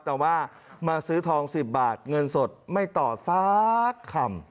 แต่ว่ามาซื้อทอง๑๐บาทเงินสดไม่ต่อสักคำ